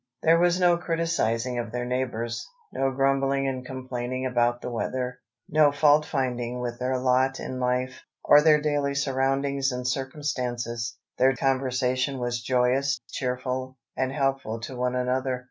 There was no criticising of their neighbours, no grumbling and complaining about the weather, no fault finding with their lot in life, or their daily surroundings and circumstances. Their conversation was joyous, cheerful, and helpful to one another.